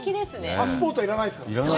パスポート要らないですからね。